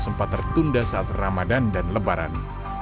sempat tertunda saat ramadan dan lebaran